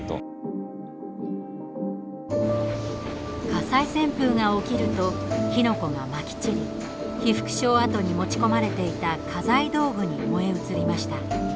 火災旋風が起きると火の粉がまき散り被服廠跡に持ち込まれていた家財道具に燃え移りました。